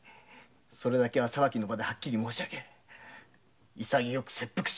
それだけは裁きの場ではっきり申しあげ潔く切腹します。